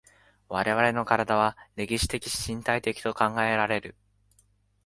我々の身体は歴史的身体的と考えられる。